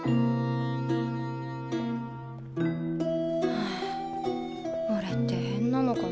はあおれって変なのかな。